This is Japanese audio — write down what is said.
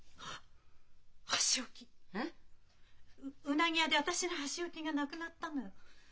うなぎ屋で私の箸置きが無くなったのよ。